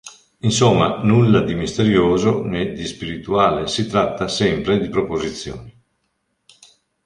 Insomma nulla di misterioso né di spirituale: si tratta sempre di proposizioni.